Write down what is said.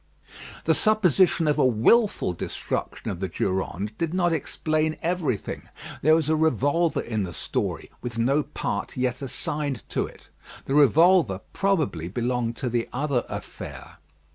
The supposition of a wilful destruction of the Durande did not explain everything. There was a revolver in the story, with no part yet assigned to it. The revolver, probably, belonged to the other affair.